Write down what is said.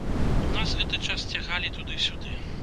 Нас гэты час цягалі туды-сюды.